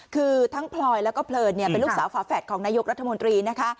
คือทั้งพลอยแล้วก็เพลินเป็นลูกสาวฝาแฝดของนายกรัฐมนตรีนะคะ